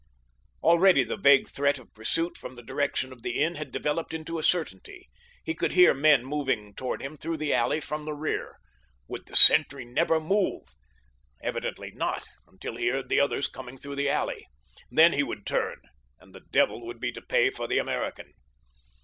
Already the vague threat of pursuit from the direction of the inn had developed into a certainty—he could hear men moving toward him through the alley from the rear. Would the sentry never move! Evidently not, until he heard the others coming through the alley. Then he would turn, and the devil would be to pay for the American.